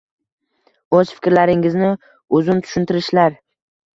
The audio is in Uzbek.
O‘z fikrlaringizni uzun tushuntirishlar